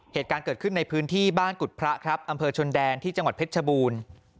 เหตุการณ์เกิดขึ้นในพื้นที่บ้านกุฎพระครับอำเภอชนแดนที่จังหวัดเพชรชบูรณ์